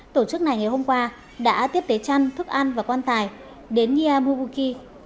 tổ chức này ngày hôm qua đã tiếp tế chăn thức ăn và quan tài đến nyamubuki